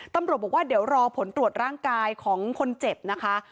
ตำรวจบอกว่าเดี๋ยวรอผลตรวจร่างกายของคนเจ็บนะคะ